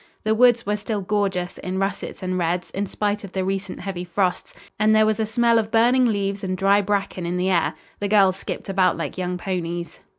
The woods were still gorgeous in russets and reds, in spite of the recent heavy frosts, and there was a smell of burning leaves and dry bracken in the air. The girls skipped about like young ponies.